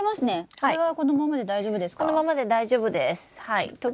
これはこのままで大丈夫ですか？